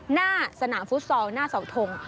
หน้าสนามฟุตซอลหน้าเสาทง